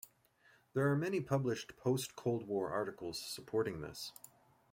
There are many published post-Cold War articles supporting this.